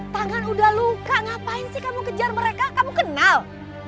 tangan udah luka ngapain sih kamu kejar mereka kamu kenal